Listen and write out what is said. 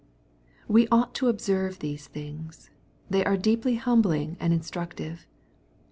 We ought to observe these things. They are deeply humbling and instructive.